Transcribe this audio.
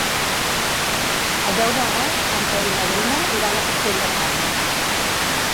El deu d'agost en Quer i na Bruna iran a Castell de Cabres.